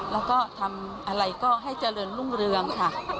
แล้วก็ทำอะไรก็ให้เจริญรุ่งเรืองค่ะ